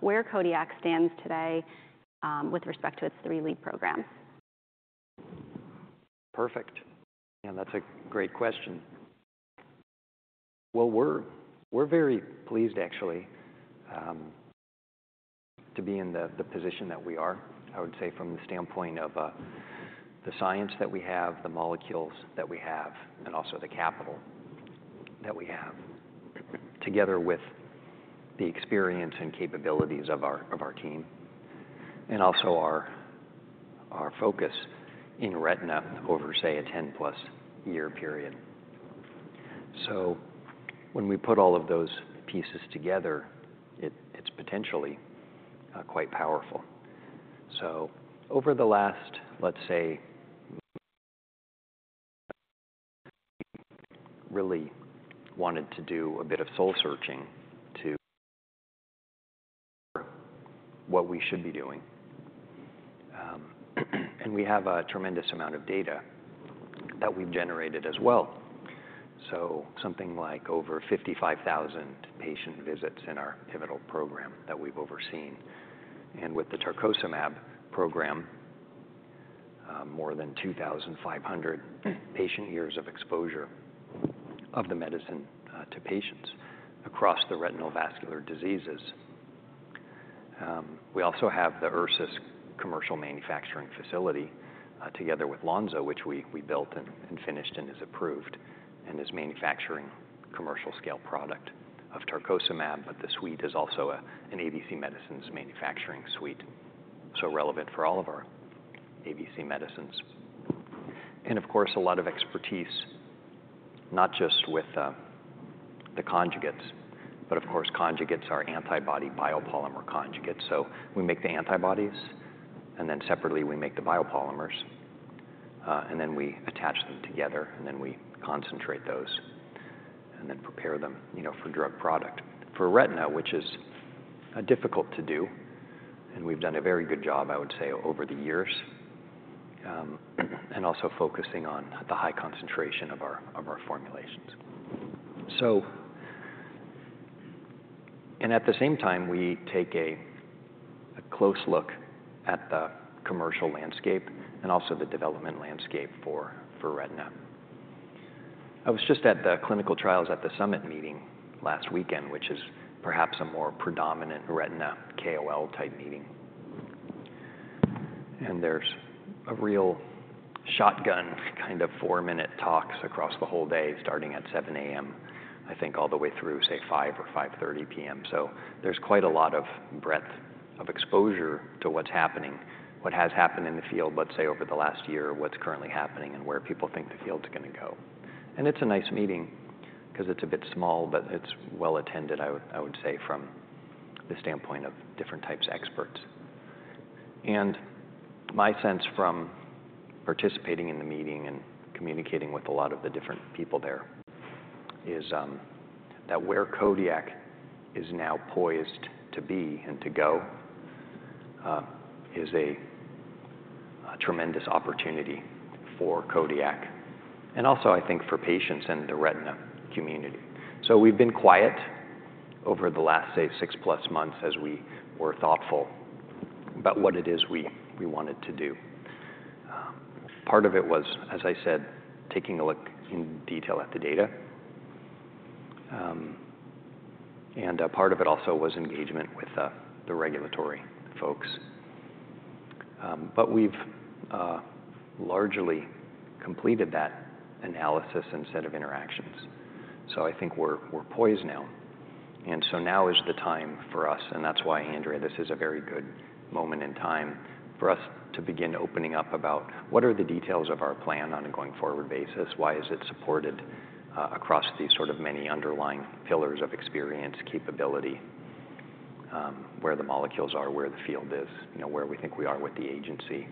Where Kodiak stands today, with respect to its three lead programs. Perfect. Yeah, that's a great question. Well, we're very pleased, actually, to be in the position that we are, I would say, from the standpoint of the science that we have, the molecules that we have, and also the capital that we have, together with the experience and capabilities of our team, and also our focus in retina over, say, a 10+ year period. So when we put all of those pieces together, it's potentially quite powerful. So over the last, let's say, really wanted to do a bit of soul searching to what we should be doing. We have a tremendous amount of data that we've generated as well. So something like over 55,000 patient visits in our pivotal program that we've overseen. And with the tarcocimab program, more than 2,500 patient years of exposure of the medicine to patients across the retinal vascular diseases. We also have the Ursus commercial manufacturing facility, together with Lonza, which we built and finished and is approved and is manufacturing commercial-scale product of tarcocimab, but the suite is also an ABC Medicines manufacturing suite, so relevant for all of our ABC Medicines. And of course, a lot of expertise, not just with the conjugates, but of course, conjugates are antibody biopolymer conjugates. So we make the antibodies, and then separately we make the biopolymers, and then we attach them together, and then we concentrate those and then prepare them, you know, for drug product for retina, which is difficult to do. We've done a very good job, I would say, over the years, and also focusing on the high concentration of our formulations. So at the same time, we take a close look at the commercial landscape and also the development landscape for retina. I was just at the Clinical Trials at the Summit meeting last weekend, which is perhaps a more predominant retina KOL-type meeting. There's a real shotgun kind of four-minute talks across the whole day, starting at 7:00 A.M., I think, all the way through, say, 5:00 or 5:30 P.M. So there's quite a lot of breadth of exposure to what's happening, what has happened in the field, let's say, over the last year, what's currently happening, and where people think the field's gonna go. It's a nice meeting 'cause it's a bit small, but it's well attended. I would, I would say, from the standpoint of different types of experts. My sense from participating in the meeting and communicating with a lot of the different people there is that where Kodiak is now poised to be and to go is a tremendous opportunity for Kodiak and also, I think, for patients and the retina community. So we've been quiet over the last, say, six+ months as we were thoughtful about what it is we, we wanted to do. Part of it was, as I said, taking a look in detail at the data. And part of it also was engagement with the regulatory folks. But we've largely completed that analysis and set of interactions. So I think we're, we're poised now. And so now is the time for us, and that's why, Andrea, this is a very good moment in time for us to begin opening up about what are the details of our plan on a going-forward basis, why is it supported, across these sort of many underlying pillars of experience, capability, where the molecules are, where the field is, you know, where we think we are with the agency,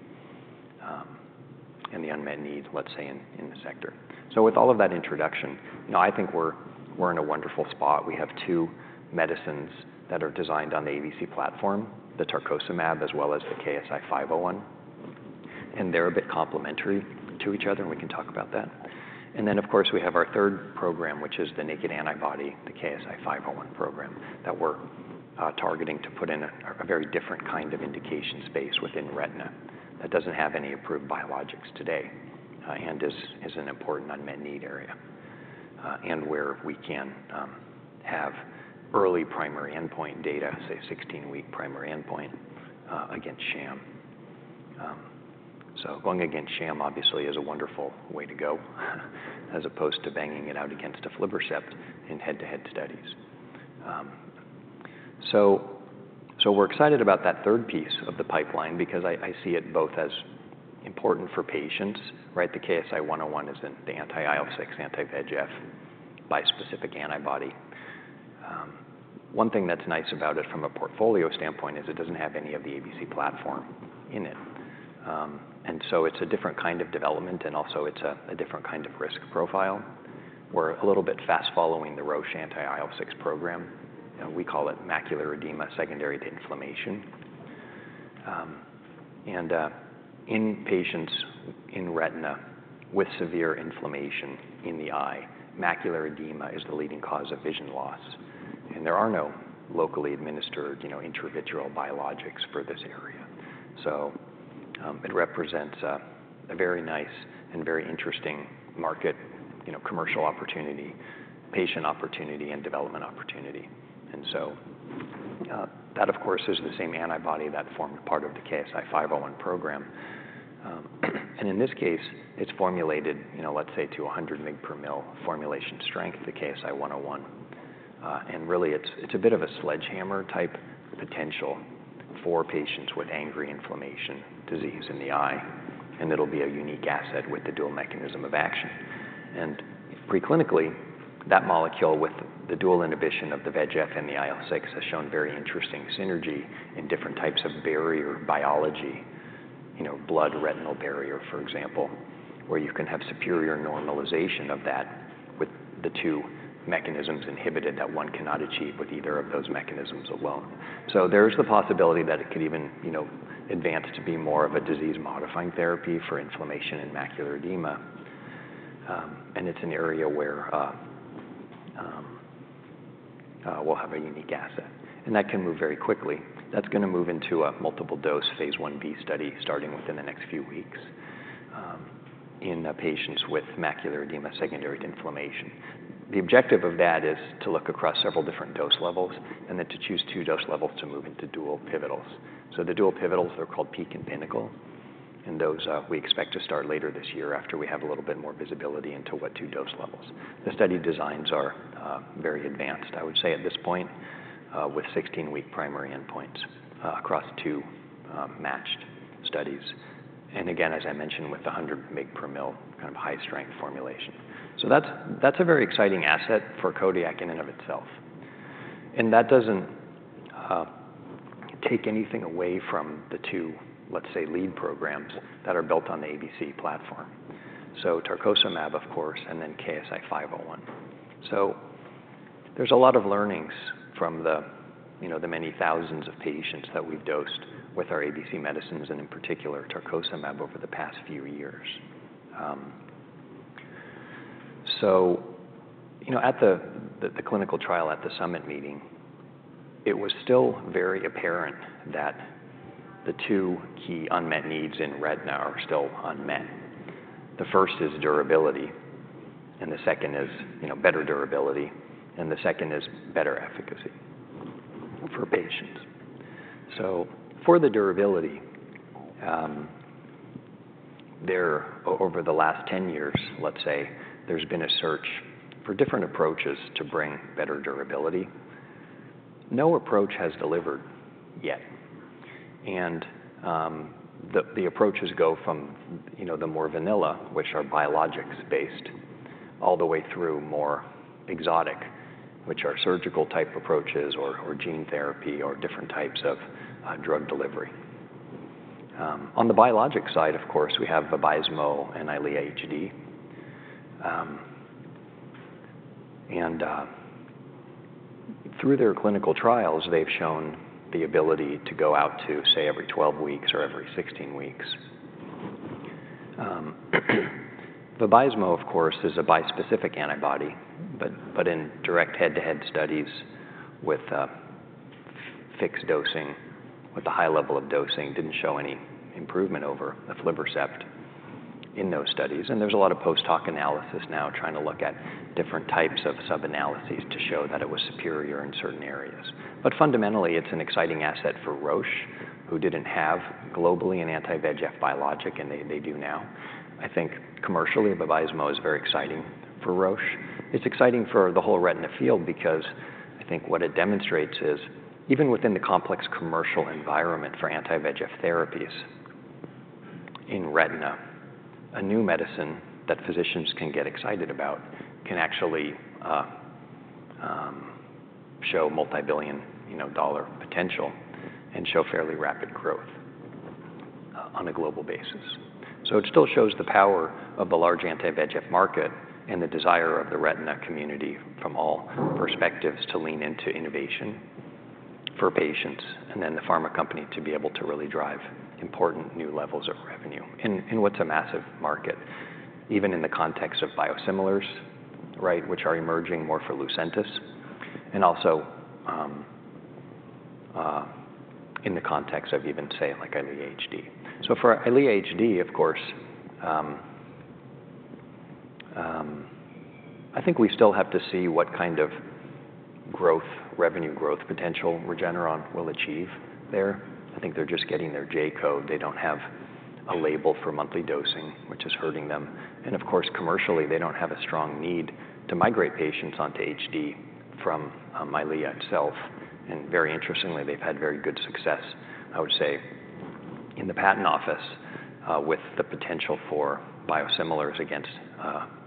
and the unmet need, let's say, in the sector. So with all of that introduction, you know, I think we're in a wonderful spot. We have two medicines that are designed on the ABC platform, the tarcocimab as well as the KSI-501, and they're a bit complementary to each other, and we can talk about that. And then, of course, we have our third program, which is the naked antibody, the KSI-501 program, that we're targeting to put in a very different kind of indication space within retina that doesn't have any approved biologics today, and is an important unmet need area, and where we can have early primary endpoint data, say, 16-week primary endpoint, against sham. So going against sham, obviously, is a wonderful way to go as opposed to banging it out against aflibercept in head-to-head studies. So we're excited about that third piece of the pipeline because I see it both as important for patients, right? The KSI-101 is the anti-IL-6, anti-VEGF bispecific antibody. One thing that's nice about it from a portfolio standpoint is it doesn't have any of the ABC Platform in it. And so it's a different kind of development, and also it's a different kind of risk profile. We're a little bit fast-following the Roche anti-IL-6 program. We call it macular edema secondary to inflammation. In patients in retina with severe inflammation in the eye, macular edema is the leading cause of vision loss. And there are no locally administered, you know, intravitreal biologics for this area. So it represents a very nice and very interesting market, you know, commercial opportunity, patient opportunity, and development opportunity. And so that, of course, is the same antibody that formed part of the KSI-501 program. In this case, it's formulated, you know, let's say, to 100 mg/mL formulation strength, the KSI-101. Really, it's, it's a bit of a sledgehammer type potential for patients with angry inflammation disease in the eye, and it'll be a unique asset with the dual mechanism of action. Preclinically, that molecule with the dual inhibition of the VEGF and the IL-6 has shown very interesting synergy in different types of barrier biology, you know, blood-retinal barrier, for example, where you can have superior normalization of that with the two mechanisms inhibited that one cannot achieve with either of those mechanisms alone. So there's the possibility that it could even, you know, advance to be more of a disease-modifying therapy for inflammation and macular edema. It's an area where we'll have a unique asset. That can move very quickly. That's gonna move into a multiple-dose phase 1B study starting within the next few weeks, in patients with macular edema secondary to inflammation. The objective of that is to look across several different dose levels and then to choose two dose levels to move into dual pivotal. So the dual pivotal, they're called PEAK and PINNACLE, and those, we expect to start later this year after we have a little bit more visibility into what two dose levels. The study designs are, very advanced, I would say, at this point, with 16-week primary endpoints, across two, matched studies. And again, as I mentioned, with the 100 mg/mL kind of high-strength formulation. So that's a very exciting asset for Kodiak in and of itself. And that doesn't take anything away from the two, let's say, lead programs that are built on the ABC Platform. So tarcocimab, of course, and then KSI-501. So there's a lot of learnings from the, you know, the many thousands of patients that we've dosed with our ABC Medicines and, in particular, tarcocimab over the past few years. So, you know, at the, the Clinical Trial at the Summit meeting, it was still very apparent that the two key unmet needs in retina are still unmet. The first is durability, and the second is, you know, better durability, and the second is better efficacy for patients. So for the durability, there over the last 10 years, let's say, there's been a search for different approaches to bring better durability. No approach has delivered yet. And, the approaches go from, you know, the more vanilla, which are biologics-based, all the way through more exotic, which are surgical-type approaches or gene therapy or different types of, drug delivery. On the biologic side, of course, we have Vabysmo and Eylea HD. And through their clinical trials, they've shown the ability to go out to, say, every 12 weeks or every 16 weeks. Vabysmo, of course, is a bispecific antibody, but but in direct head-to-head studies with fixed dosing, with a high level of dosing, didn't show any improvement over the aflibercept in those studies. And there's a lot of post-hoc analysis now trying to look at different types of sub-analyses to show that it was superior in certain areas. But fundamentally, it's an exciting asset for Roche, who didn't have globally an anti-VEGF biologic, and they they do now. I think commercially, Vabysmo is very exciting for Roche. It's exciting for the whole retina field because I think what it demonstrates is even within the complex commercial environment for anti-VEGF therapies in retina, a new medicine that physicians can get excited about can actually show multibillion-dollar potential and show fairly rapid growth on a global basis. So it still shows the power of the large anti-VEGF market and the desire of the retina community from all perspectives to lean into innovation for patients and then the pharma company to be able to really drive important new levels of revenue in what's a massive market, even in the context of biosimilars, right, which are emerging more for Lucentis and also in the context of even, say, like Eylea HD. So for Eylea HD, of course, I think we still have to see what kind of growth, revenue growth potential Regeneron will achieve there. I think they're just getting their J code. They don't have a label for monthly dosing, which is hurting them. And of course, commercially, they don't have a strong need to migrate patients onto HD from Eylea itself. And very interestingly, they've had very good success, I would say, in the patent office, with the potential for biosimilars against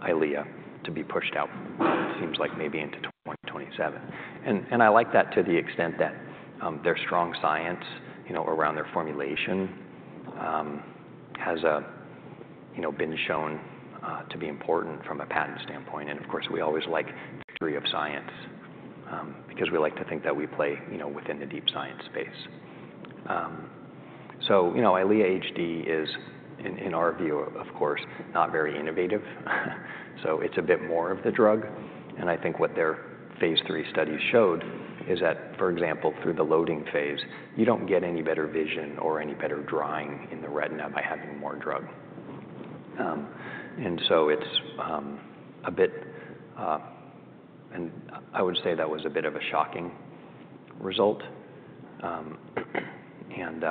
Eylea to be pushed out, it seems like, maybe into 2027. And I like that to the extent that their strong science, you know, around their formulation, has, you know, been shown to be important from a patent standpoint. And of course, we always like victory of science, because we like to think that we play, you know, within the deep science space. So, you know, Eylea HD is, in, in our view, of course, not very innovative. So it's a bit more of the drug. I think what their phase 3 studies showed is that, for example, through the loading phase, you don't get any better vision or any better drying in the retina by having more drug. And so it's a bit, and I would say that was a bit of a shocking result. And,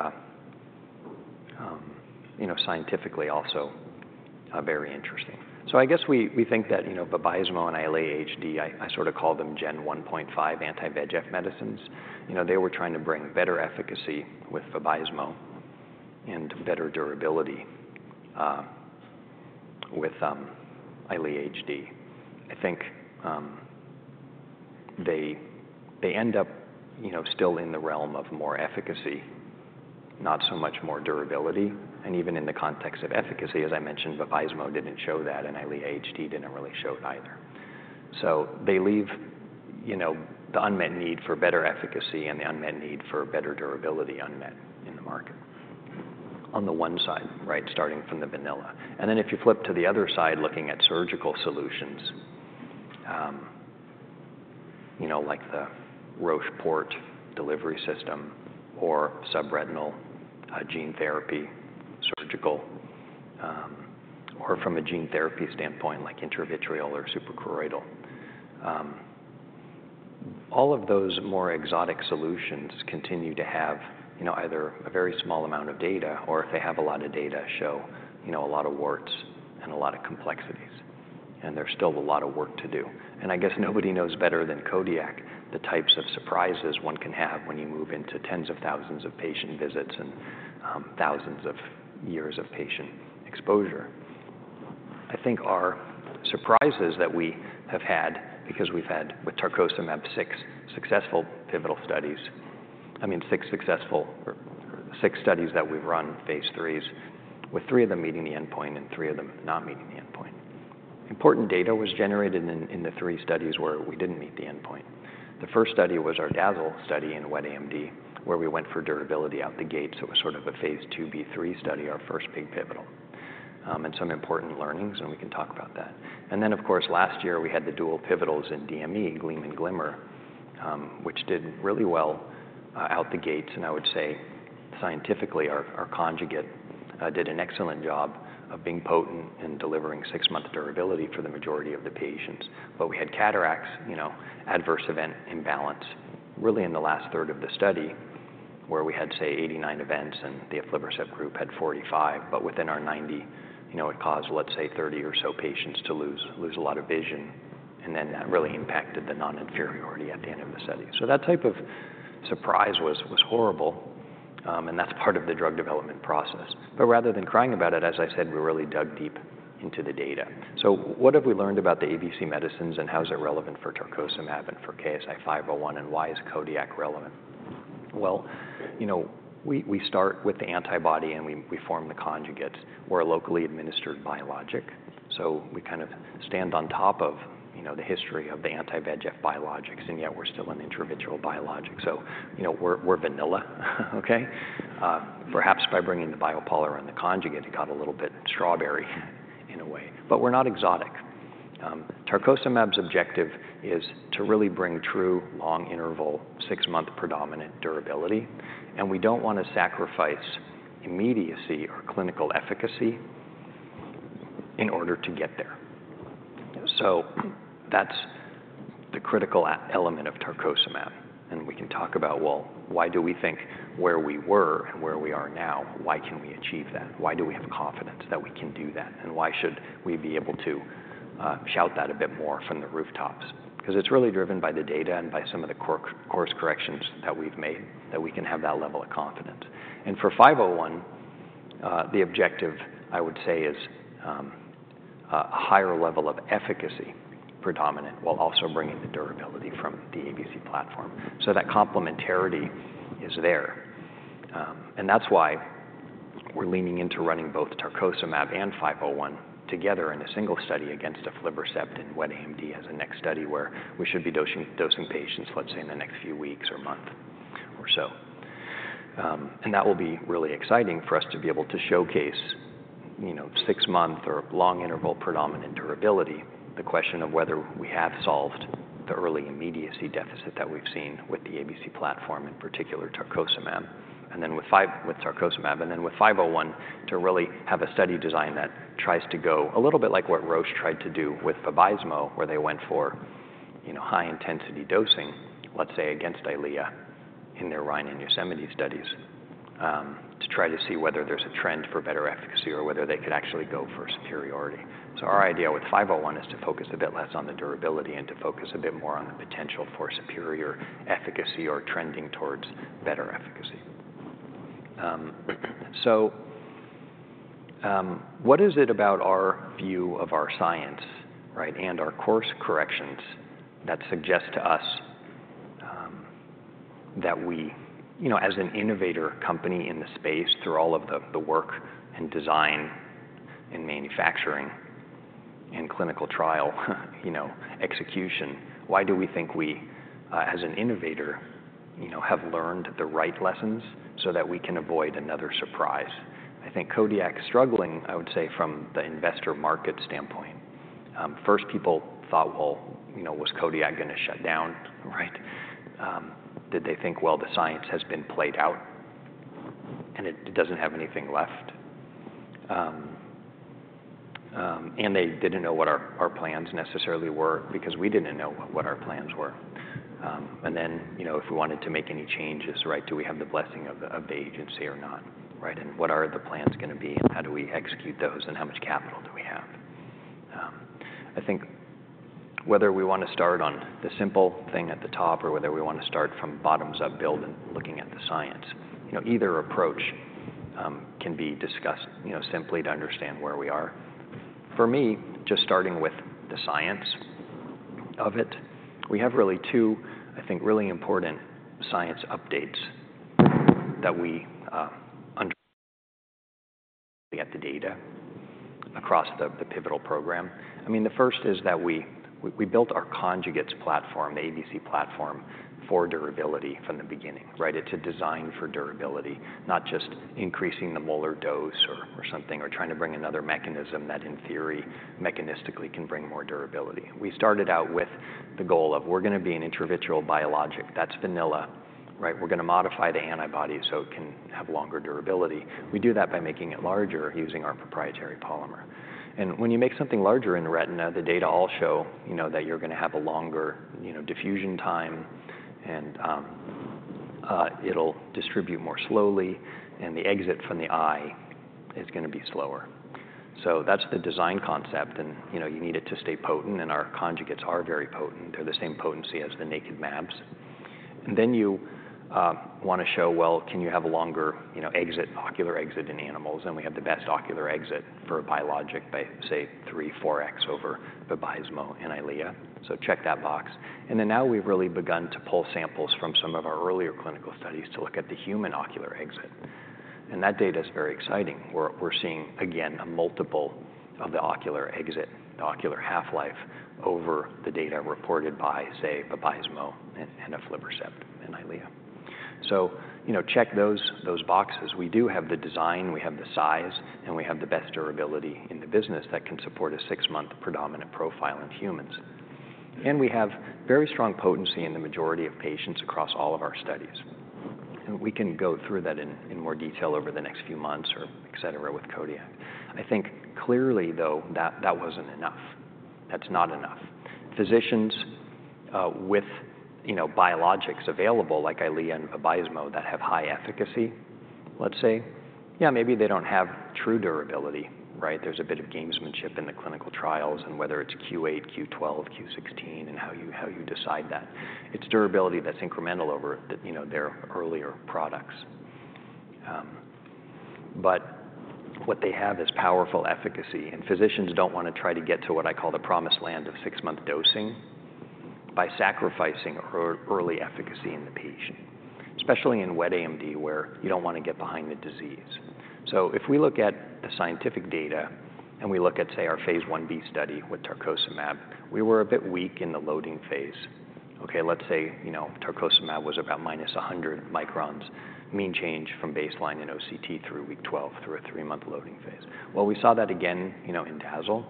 you know, scientifically also, very interesting. So I guess we think that, you know, Vabysmo and Eylea HD, I sort of call them Gen 1.5 anti-VEGF medicines. You know, they were trying to bring better efficacy with Vabysmo and better durability with Eylea HD. I think they end up, you know, still in the realm of more efficacy, not so much more durability. And even in the context of efficacy, as I mentioned, Vabysmo didn't show that, and Eylea HD didn't really show it either. So they leave, you know, the unmet need for better efficacy and the unmet need for better durability unmet in the market on the one side, right, starting from the vanilla. And then if you flip to the other side, looking at surgical solutions, you know, like the Roche Port Delivery System or subretinal, gene therapy surgical, or from a gene therapy standpoint, like intravitreal or supracoroidal, all of those more exotic solutions continue to have, you know, either a very small amount of data or, if they have a lot of data, show, you know, a lot of warts and a lot of complexities. And there's still a lot of work to do. And I guess nobody knows better than Kodiak the types of surprises one can have when you move into tens of thousands of patient visits and, thousands of years of patient exposure. I think our surprises that we have had, because we've had with tarcocimab six successful pivotal studies, I mean, six successful or six studies that we've run phase 3s, with three of them meeting the endpoint and three of them not meeting the endpoint, important data was generated in, in the three studies where we didn't meet the endpoint. The first study was our DAZZLE study in wet AMD, where we went for durability out the gate. So it was sort of a phase 2b/3 study, our first big pivotal. And some important learnings, and we can talk about that. And then, of course, last year, we had the dual pivotals in DME, GLEAM and GLIMMER, which did really well, out the gates. And I would say scientifically, our, our conjugate, did an excellent job of being potent and delivering six-month durability for the majority of the patients. But we had cataracts, you know, adverse event imbalance, really in the last third of the study, where we had, say, 89 events, and the aflibercept group had 45. But within our 90, you know, it caused, let's say, 30 or so patients to lose a lot of vision. And then that really impacted the non-inferiority at the end of the study. So that type of surprise was horrible, and that's part of the drug development process. But rather than crying about it, as I said, we really dug deep into the data. So what have we learned about the ABC Medicines and how is it relevant for tarcocimab and for KSI-501, and why is Kodiak relevant? Well, you know, we start with the antibody and we form the conjugates. We're a locally administered biologic. So we kind of stand on top of, you know, the history of the anti-VEGF biologics, and yet we're still an intravitreal biologic. So, you know, we're, we're vanilla, okay? Perhaps by bringing the biopolymer and the conjugate, it got a little bit strawberry in a way. But we're not exotic. Tarcocimab's objective is to really bring true long-interval, 6-month predominant durability. And we don't want to sacrifice immediacy or clinical efficacy in order to get there. So that's the critical element of tarcocimab. And we can talk about, well, why do we think where we were and where we are now, why can we achieve that? Why do we have confidence that we can do that? And why should we be able to shout that a bit more from the rooftops? Because it's really driven by the data and by some of the course corrections that we've made that we can have that level of confidence. And for 501, the objective, I would say, is a higher level of efficacy predominant while also bringing the durability from the ABC Platform. So that complementarity is there. And that's why we're leaning into running both tarcocimab and 501 together in a single study against aflibercept and Wet AMD as a next study where we should be dosing, dosing patients, let's say, in the next few weeks or month or so. That will be really exciting for us to be able to showcase, you know, six-month or long-interval predominant durability, the question of whether we have solved the early immediacy deficit that we've seen with the ABC Platform, in particular tarcocimab, and then with 5, with tarcocimab, and then with 501 to really have a study design that tries to go a little bit like what Roche tried to do with Vabysmo, where they went for, you know, high-intensity dosing, let's say, against Eylea in their RHINE and YOSEMITE studies, to try to see whether there's a trend for better efficacy or whether they could actually go for superiority. So our idea with 501 is to focus a bit less on the durability and to focus a bit more on the potential for superior efficacy or trending towards better efficacy. So, what is it about our view of our science, right, and our course corrections that suggests to us that we, you know, as an innovator company in the space, through all of the work and design and manufacturing and Clinical Trial, you know, execution, why do we think we, as an innovator, you know, have learned the right lessons so that we can avoid another surprise? I think Kodiak's struggling, I would say, from the investor market standpoint. First, people thought, well, you know, was Kodiak going to shut down, right? Did they think, well, the science has been played out and it doesn't have anything left? And they didn't know what our plans necessarily were because we didn't know what our plans were. Then, you know, if we wanted to make any changes, right, do we have the blessing of the agency or not, right? What are the plans going to be and how do we execute those and how much capital do we have? I think whether we want to start on the simple thing at the top or whether we want to start from bottoms-up build and looking at the science, you know, either approach can be discussed, you know, simply to understand where we are. For me, just starting with the science of it, we have really two, I think, really important science updates that we understand the data across the pivotal program. I mean, the first is that we built our conjugate platform, the ABC Platform, for durability from the beginning, right? It's a design for durability, not just increasing the molar dose or, or something or trying to bring another mechanism that, in theory, mechanistically can bring more durability. We started out with the goal of we're going to be an intravitreal biologic. That's vanilla, right? We're going to modify the antibody so it can have longer durability. We do that by making it larger using our proprietary polymer. And when you make something larger in retina, the data all show, you know, that you're going to have a longer, you know, diffusion time and, it'll distribute more slowly and the exit from the eye is going to be slower. So that's the design concept. And, you know, you need it to stay potent. And our conjugates are very potent. They're the same potency as the naked mAbs. And then you want to show, well, can you have a longer, you know, exit, ocular exit in animals? And we have the best ocular exit for a biologic by, say, 3-4x over Vabysmo and Eylea. So check that box. And then now we've really begun to pull samples from some of our earlier clinical studies to look at the human ocular exit. And that data is very exciting. We're seeing, again, a multiple of the ocular exit, the ocular half-life over the data reported by, say, Vabysmo and aflibercept and Eylea. So, you know, check those boxes. We do have the design, we have the size, and we have the best durability in the business that can support a six-month predominant profile in humans. And we have very strong potency in the majority of patients across all of our studies. We can go through that in more detail over the next few months or etc. with Kodiak. I think clearly, though, that wasn't enough. That's not enough. Physicians, with, you know, biologics available like Eylea and Vabysmo that have high efficacy, let's say, yeah, maybe they don't have true durability, right? There's a bit of gamesmanship in the clinical trials and whether it's Q8, Q12, Q16, and how you decide that. It's durability that's incremental over the, you know, their earlier products. But what they have is powerful efficacy. And physicians don't want to try to get to what I call the promised land of six-month dosing by sacrificing early efficacy in the patient, especially in Wet AMD where you don't want to get behind the disease. So if we look at the scientific data and we look at, say, our phase 1b study with tarcocimab, we were a bit weak in the loading phase. Okay, let's say, you know, tarcocimab was about -100 microns mean change from baseline in OCT through week 12 through a 3-month loading phase. Well, we saw that again, you know, in DAZZLE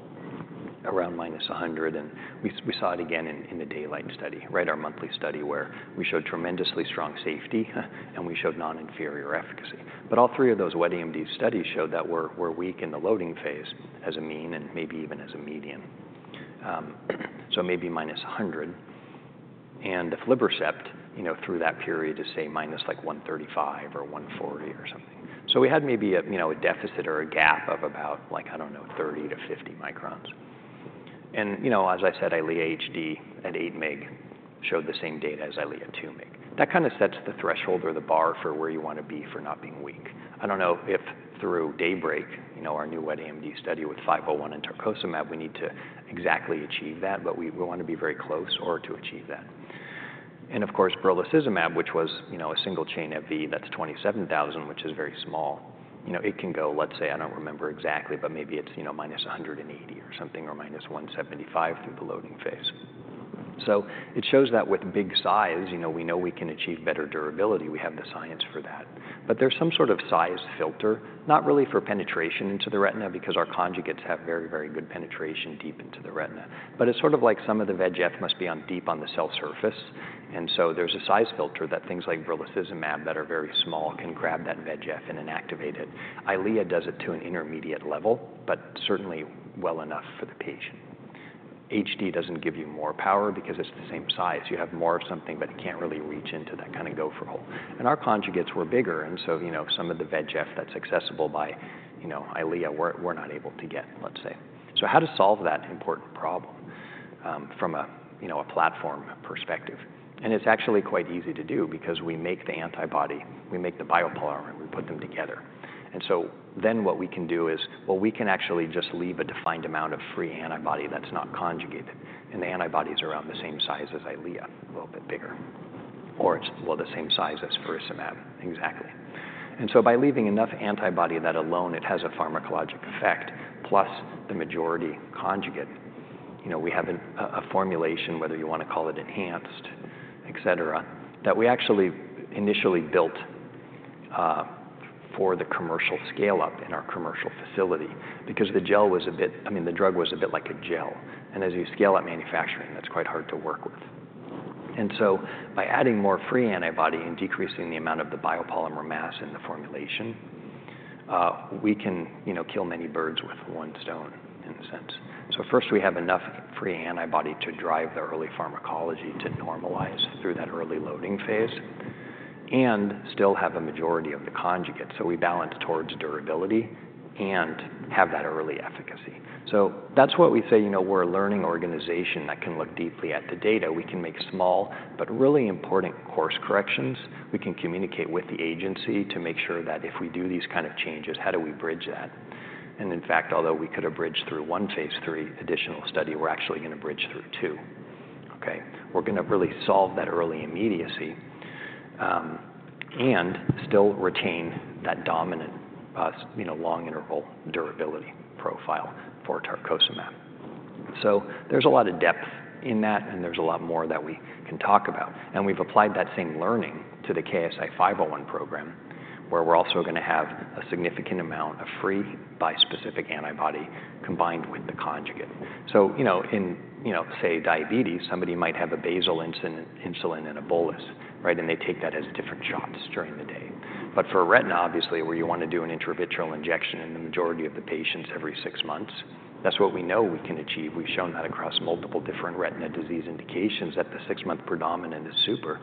around -100. And we saw it again in the DAYLIGHT study, right? Our monthly study where we showed tremendously strong safety and we showed non-inferior efficacy. But all three of those wet AMD studies showed that we're weak in the loading phase as a mean and maybe even as a median. So maybe -100. And the aflibercept, you know, through that period is, say, minus like 135 or 140 or something. So we had maybe a, you know, a deficit or a gap of about like, I don't know, 30-50 microns. And, you know, as I said, Eylea HD at 8 mg showed the same data as Eylea 2 mg. That kind of sets the threshold or the bar for where you want to be for not being weak. I don't know if through DAYBREAK, you know, our new Wet AMD study with 501 and tarcocimab, we need to exactly achieve that, but we, we want to be very close or to achieve that. And of course, brolucizumab, which was, you know, a single-chain FV that's 27,000, which is very small, you know, it can go, let's say, I don't remember exactly, but maybe it's, you know, -180 or something or -175 through the loading phase. So it shows that with big size, you know, we know we can achieve better durability. We have the science for that. But there's some sort of size filter, not really for penetration into the retina because our conjugates have very, very good penetration deep into the retina. But it's sort of like some of the VEGF must be on deep on the cell surface. And so there's a size filter that things like brolucizumab that are very small can grab that VEGF and inactivate it. Eylea does it to an intermediate level, but certainly well enough for the patient. HD doesn't give you more power because it's the same size. You have more of something, but it can't really reach into that kind of gopher hole. And our conjugates were bigger. And so, you know, some of the VEGF that's accessible by, you know, Eylea, we're not able to get, let's say. So how to solve that important problem, from a, you know, a platform perspective? And it's actually quite easy to do because we make the antibody, we make the biopolymer and we put them together. And so then what we can do is, well, we can actually just leave a defined amount of free antibody that's not conjugated. And the antibody is around the same size as Eylea, a little bit bigger. Or it's, well, the same size as faricimab. Exactly. And so by leaving enough antibody that alone, it has a pharmacologic effect, plus the majority conjugate, you know, we have a formulation, whether you want to call it enhanced, etc., that we actually initially built, for the commercial scale-up in our commercial facility because the gel was a bit, I mean, the drug was a bit like a gel. And as you scale up manufacturing, that's quite hard to work with. And so by adding more free antibody and decreasing the amount of the biopolymer mass in the formulation, we can, you know, kill many birds with one stone in a sense. So first we have enough free antibody to drive the early pharmacology to normalize through that early loading phase and still have a majority of the conjugate. So we balance towards durability and have that early efficacy. So that's what we say, you know, we're a learning organization that can look deeply at the data. We can make small but really important course corrections. We can communicate with the agency to make sure that if we do these kind of changes, how do we bridge that? And in fact, although we could have bridged through one phase 3 additional study, we're actually going to bridge through two. Okay. We're going to really solve that early immediacy, and still retain that dominant, you know, long-interval durability profile for tarcocimab. So there's a lot of depth in that and there's a lot more that we can talk about. And we've applied that same learning to the KSI-501 program where we're also going to have a significant amount of free bispecific antibody combined with the conjugate. So, you know, in, you know, say diabetes, somebody might have a basal insulin and a bolus, right? And they take that as different shots during the day. But for retina, obviously, where you want to do an intravitreal injection in the majority of the patients every six months, that's what we know we can achieve. We've shown that across multiple different retina disease indications that the six-month predominant is super,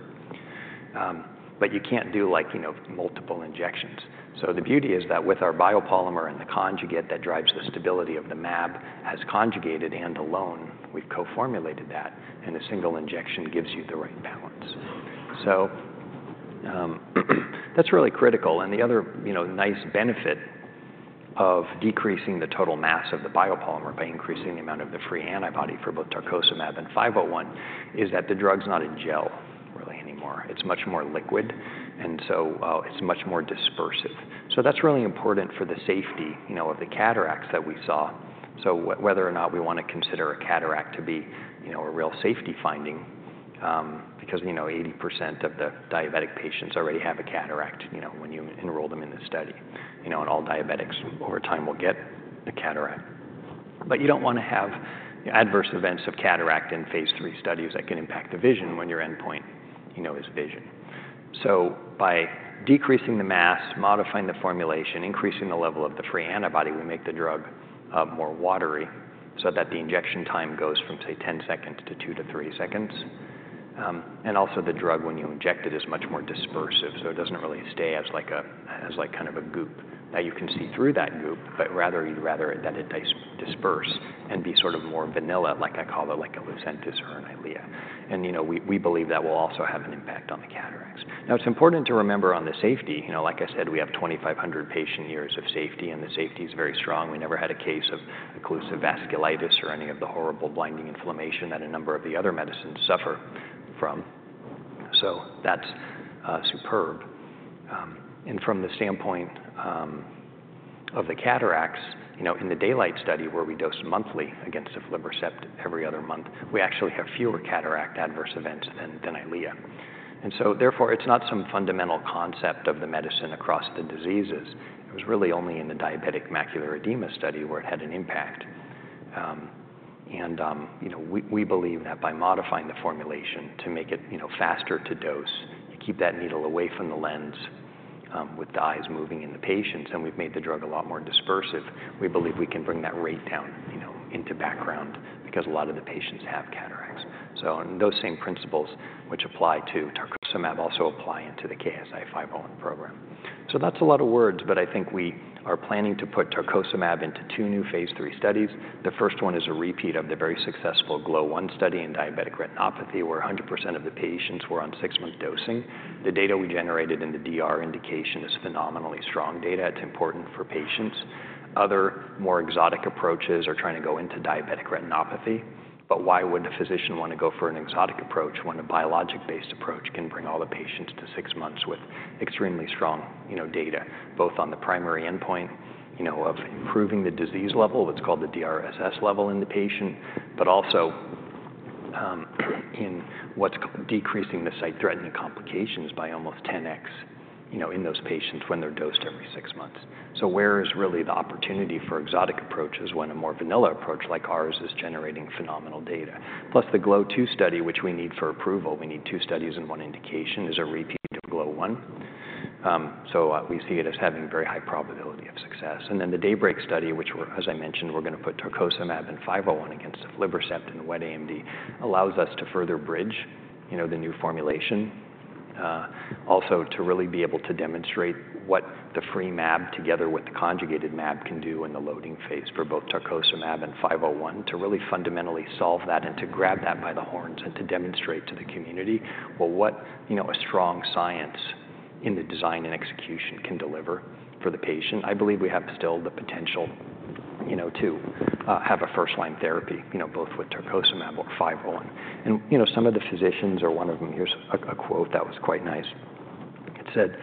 but you can't do like, you know, multiple injections. So the beauty is that with our biopolymer and the conjugate that drives the stability of the mAb as conjugated and alone, we've co-formulated that and a single injection gives you the right balance. So, that's really critical. And the other, you know, nice benefit of decreasing the total mass of the biopolymer by increasing the amount of the free antibody for both tarcocimab and 501 is that the drug's not a gel really anymore. It's much more liquid. And so, it's much more dispersive. So that's really important for the safety, you know, of the cataracts that we saw. So whether or not we want to consider a cataract to be, you know, a real safety finding, because, you know, 80% of the diabetic patients already have a cataract, you know, when you enroll them in the study, you know, and all diabetics over time will get a cataract. But you don't want to have adverse events of cataract in phase three studies that can impact the vision when your endpoint, you know, is vision. So by decreasing the mass, modifying the formulation, increasing the level of the free antibody, we make the drug more watery so that the injection time goes from, say, 10 seconds to 2 to 3 seconds. And also the drug, when you inject it, is much more dispersive. So it doesn't really stay as like a, as like kind of a goop that you can see through that goop, but rather you'd rather that it disperse and be sort of more vanilla, like I call it, like a Lucentis or an Eylea. And, you know, we, we believe that will also have an impact on the cataracts. Now, it's important to remember on the safety, you know, like I said, we have 2,500 patient years of safety and the safety is very strong. We never had a case of occlusive vasculitis or any of the horrible blinding inflammation that a number of the other medicines suffer from. So that's superb. And from the standpoint of the cataracts, you know, in the DAYLIGHT study where we dose monthly against aflibercept every other month, we actually have fewer cataract adverse events than Eylea. And so therefore it's not some fundamental concept of the medicine across the diseases. It was really only in the diabetic macular edema study where it had an impact. And, you know, we believe that by modifying the formulation to make it, you know, faster to dose, you keep that needle away from the lens, with the eyes moving in the patients. And we've made the drug a lot more dispersive. We believe we can bring that rate down, you know, into background because a lot of the patients have cataracts. So on those same principles, which apply to tarcocimab, also apply into the KSI-501 program. So that's a lot of words, but I think we are planning to put tarcocimab into two new Phase 3 studies. The first one is a repeat of the very successful GLOW1 study in diabetic retinopathy where 100% of the patients were on six-month dosing. The data we generated in the DR indication is phenomenally strong data. It's important for patients. Other more exotic approaches are trying to go into diabetic retinopathy. But why would a physician want to go for an exotic approach when a biologic-based approach can bring all the patients to six months with extremely strong, you know, data, both on the primary endpoint, you know, of improving the disease level, what's called the DRSS level in the patient, but also, in what's decreasing the sight-threatening complications by almost 10x, you know, in those patients when they're dosed every six months. So where is really the opportunity for exotic approaches when a more vanilla approach like ours is generating phenomenal data? Plus the GLOW2 study, which we need for approval, we need two studies and one indication is a repeat of GLOW1. So we see it as having very high probability of success. And then the DAYBREAK study, which we're, as I mentioned, we're going to put tarcocimab and 501 against the aflibercept in the wet AMD, allows us to further bridge, you know, the new formulation, also to really be able to demonstrate what the free MAB together with the conjugated MAB can do in the loading phase for both tarcocimab and 501 to really fundamentally solve that and to grab that by the horns and to demonstrate to the community, well, what, you know, a strong science in the design and execution can deliver for the patient. I believe we have still the potential, you know, to have a first-line therapy, you know, both with tarcocimab or 501. And, you know, some of the physicians or one of them, here's a quote that was quite nice. It said,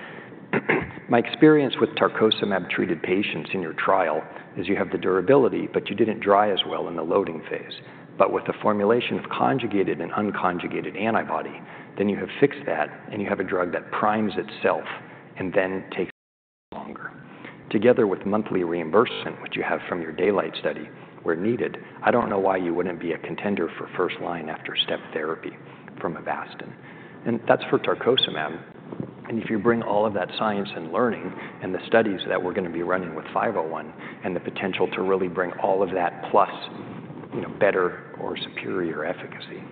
"My experience with tarcocimab treated patients in your trial is you have the durability, but you didn't dry as well in the loading phase. But with the formulation of conjugated and unconjugated antibody, then you have fixed that and you have a drug that primes itself and then takes longer. Together with monthly reimbursement, which you have from your DAYLIGHT study where needed, I don't know why you wouldn't be a contender for first-line after step therapy from Avastin." And that's for tarcocimab. And if you bring all of that science and learning and the studies that we're going to be running with 501 and the potential to really bring all of that plus, you know, better or superior efficacy,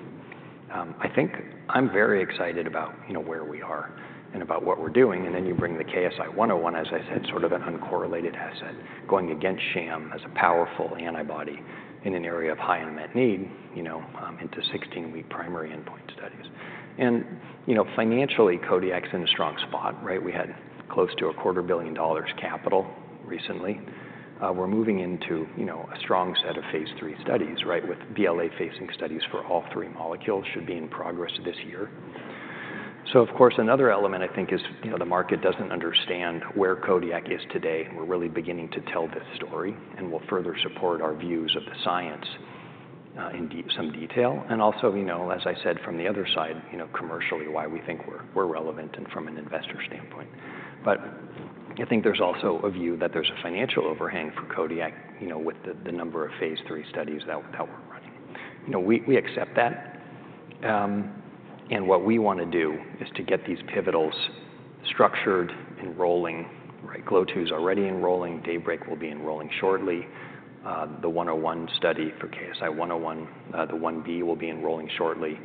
I think I'm very excited about, you know, where we are and about what we're doing. And then you bring the KSI-101, as I said, sort of an uncorrelated asset going against sham as a powerful antibody in an area of high unmet need, you know, into 16-week primary endpoint studies. And, you know, financially, Kodiak's in a strong spot, right? We had close to $250 million in capital recently. We're moving into, you know, a strong set of phase 3 studies, right? With BLA-facing studies for all three molecules should be in progress this year. So, of course, another element I think is, you know, the market doesn't understand where Kodiak is today. We're really beginning to tell this story and we'll further support our views of the science, in some detail. And also, you know, as I said, from the other side, you know, commercially, why we think we're, we're relevant and from an investor standpoint. But I think there's also a view that there's a financial overhang for Kodiak, you know, with the number of phase 3 studies that we're running. You know, we accept that. What we want to do is to get these pivotals structured, enrolling, right? GLOW2 is already enrolling. DAYBREAK will be enrolling shortly. The 101 study for KSI 101, the 1B will be enrolling shortly,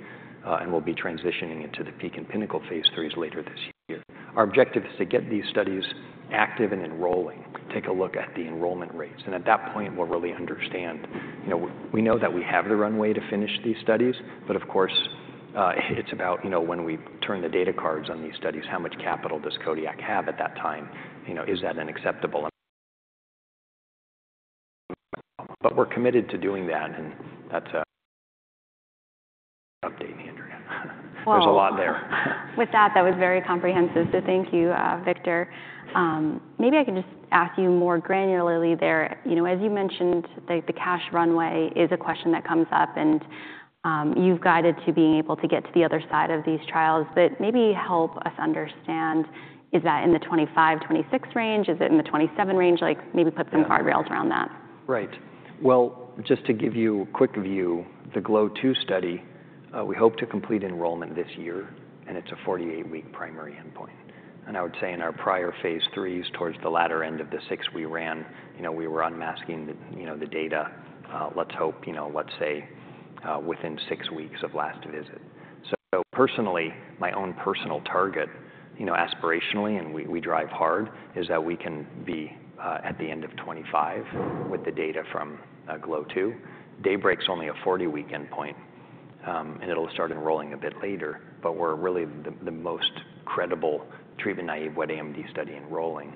and we'll be transitioning into the PEAK and PINNACLE phase 3s later this year. Our objective is to get these studies active and enrolling, take a look at the enrollment rates. At that point, we'll really understand, you know, we know that we have the runway to finish these studies, but of course, it's about, you know, when we turn the data cards on these studies, how much capital does Kodiak have at that time? You know, is that an acceptable? But we're committed to doing that. And that's an update in the interim. There's a lot there. With that, that was very comprehensive. So thank you, Victor. Maybe I can just ask you more granularly there. You know, as you mentioned, the cash runway is a question that comes up and, you've guided to being able to get to the other side of these trials. But maybe help us understand, is that in the 25, 26 range? Is it in the 27 range? Like maybe put some guardrails around that. Right. Well, just to give you a quick view, the GLOW2 study, we hope to complete enrollment this year and it's a 48-week primary endpoint. And I would say in our prior phase threes towards the latter end of the six we ran, you know, we were unmasking the, you know, the data. Let's hope, you know, let's say, within 6 weeks of last visit. So personally, my own personal target, you know, aspirationally, and we, we drive hard is that we can be, at the end of 2025 with the data from GLOW2. DAYBREAK's only a 40-week endpoint, and it'll start enrolling a bit later, but we're really the, the most credible treatment naive Wet AMD study enrolling.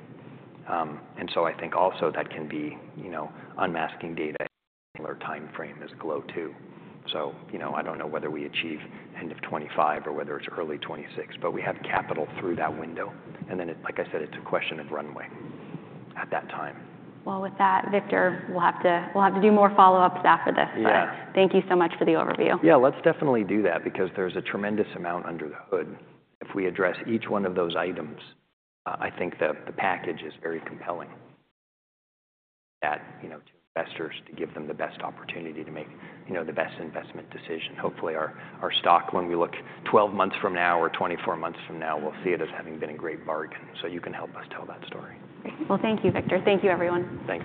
And so I think also that can be, you know, unmasking data in a similar timeframe as GLOW2. So, you know, I don't know whether we achieve end of 2025 or whether it's early 2026, but we have capital through that window. And then it, like I said, it's a question of runway at that time. Well, with that, Victor, we'll have to, we'll have to do more follow-ups after this. But thank you so much for the overview. Yeah, let's definitely do that because there's a tremendous amount under the hood. If we address each one of those items, I think that the package is very compelling that, you know, to investors to give them the best opportunity to make, you know, the best investment decision. Hopefully our, our stock when we look 12 months from now or 24 months from now, we'll see it as having been a great bargain. So you can help us tell that story. Well, thank you, Victor. Thank you, everyone.